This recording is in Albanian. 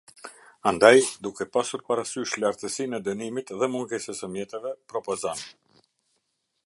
Andaj, duke pasur parasysh lartësinë e dënimit dhe mungesës se mjeteve propozon.